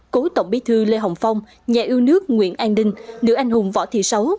cố tổng bí thư lê hồng phong nhà ưu nước nguyễn an đinh nữ anh hùng võ thị sáu